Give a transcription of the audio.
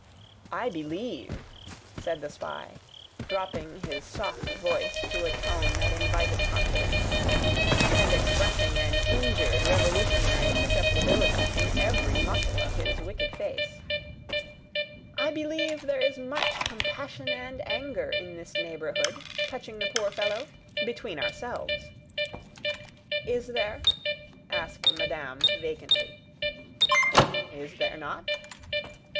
"I believe," said the spy, dropping his soft voice to a tone that invited confidence, and expressing an injured revolutionary susceptibility in every muscle of his wicked face: "I believe there is much compassion and anger in this neighbourhood, touching the poor fellow? Between ourselves." "Is there?" asked madame, vacantly. "Is there not?"